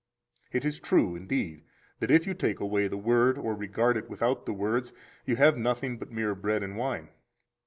It is true, indeed, that if you take away the Word or regard it without the words, you have nothing but mere bread and wine.